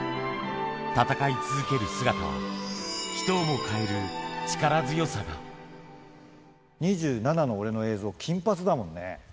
戦い続ける姿は、人をも変える力２７の俺の映像、金髪だもんね。